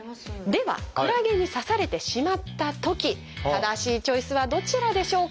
ではクラゲに刺されてしまったとき正しいチョイスはどちらでしょうか？